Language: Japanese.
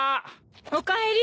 おかえり。